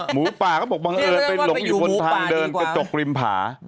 หมูป่าก็บอกบังเอิญไปหลงอยู่บนทางเดินกระจกริมผา